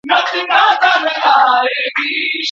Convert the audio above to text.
په کومه طریقه د هڅي کلتور د یوه هیواد راتلونکی بدلوي؟